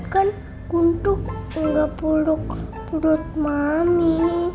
kan guntur enggak perut mami